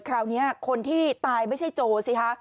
คราวนี้คนที่ตายไม่ใช่โจสิคะ